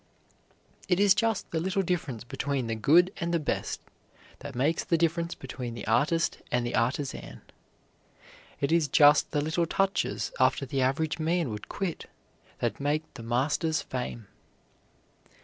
It is just the little difference between the good and the best that makes the difference between the artist and the artisan. It is just the little touches after the average man would quit that make the master's fame.